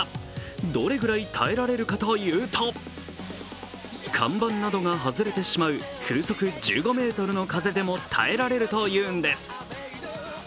どれぐらい耐えられるかというと看板などが外れてしまう風速１５ｍの風でも耐えられるというのです。